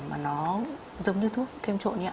mà nó giống như thuốc kem trộn ấy ạ